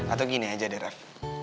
atau gini aja deh raff